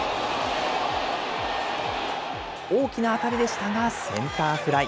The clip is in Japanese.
大きな当たりでしたが、センターフライ。